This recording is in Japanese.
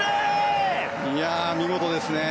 見事ですね。